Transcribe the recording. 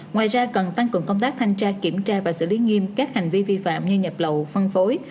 ngoài ra cần tăng cường công tác thanh tra kiểm tra và xử lý nghiêm các hành vi vi phạm như nhập lậu phân phối